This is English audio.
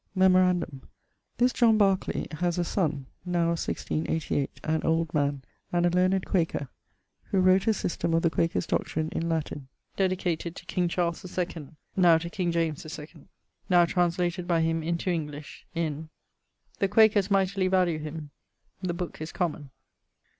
Memorandum: this John Barclay haz a sonne, now (1688) an old man, and a learned quaker, who wrote a Systeme of the Quakers' Doctrine in Latine, dedicated to King Charles II, now King James II; now translated by him into English, in.... The Quakers mightily value him. The booke is common.